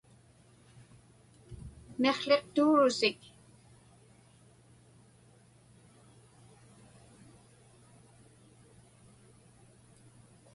Miqłiqtuurusik.